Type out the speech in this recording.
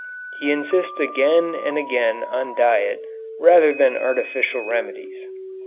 He insists again and again on diet rather than artificial remedies.